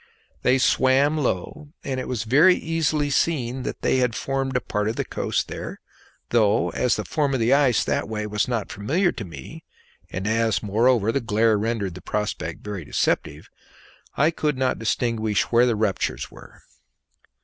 They swam low, and it was very easily seen they had formed part of the coast there, though, as the form of the ice that way was not familiar to me, and as, moreover, the glare rendered the prospect very deceptive, I could not distinguish where the ruptures were.